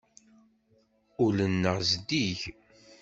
Ul-nneɣ zeddig.